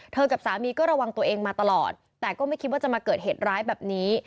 กับสามีก็ระวังตัวเองมาตลอดแต่ก็ไม่คิดว่าจะมาเกิดเหตุร้ายแบบนี้